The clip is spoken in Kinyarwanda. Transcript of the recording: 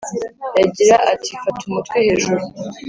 yagira ati fata umutwe hejuru,